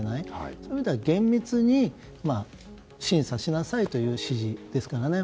そういう意味では厳密に審査しなさいという指示ですからね。